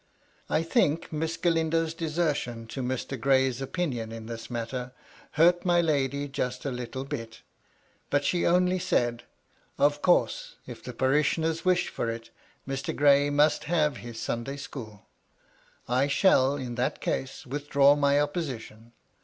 I think Miss Galindo's desertion to Mr. Gray's MY LADY LUDLOW. 255 opinions in this matter hurt my lady just a little bit ; but she only said :" Of course, if the parishioners wish for it, Mr. Gray must have his Sunday school. I shall, in that case, withdraw my opposition.